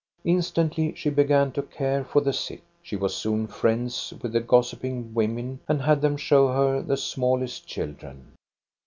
Instantly she began to care for the sick. She was soon friends with the gossiping women, and had them show her the smallest children.